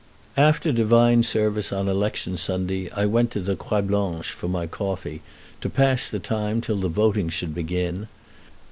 After divine service on election Sunday I went to the Croix Blanche for my coffee, to pass the time till the voting should begin.